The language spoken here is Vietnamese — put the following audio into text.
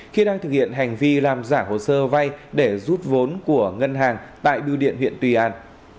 khi đang thực hiện hành vi làm giả hồ sơ vay để rút vốn của ngân hàng tại biêu điện huyện tuy an